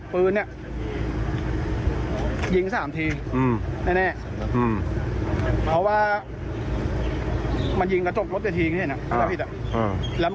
ปืนนี้ยิง๓ทีแน่เพราะว่ามันยิงกระจกรถเดียวที